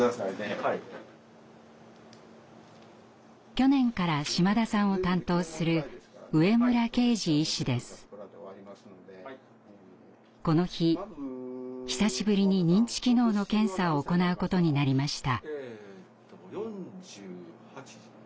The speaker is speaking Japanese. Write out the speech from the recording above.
去年から島田さんを担当するこの日久しぶりに認知機能の検査を行うことになりました。